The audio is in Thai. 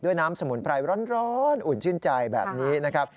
น้ำสมุนไพรร้อนอุ่นชื่นใจแบบนี้นะครับ